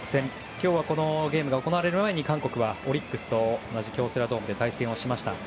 今日はこのゲームが行われる前に韓国はオリックスと同じ京セラドームで対戦しました。